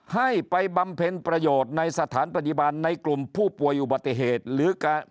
ให้ไปบำเพ็ญประโยชน์ในสถานพยาบาลในกลุ่มผู้ป่วยอุบัติเหตุหรือการ